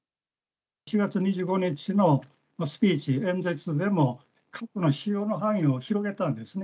４月２５日のスピーチ、演説でも、核の使用の範囲を広げたんですね。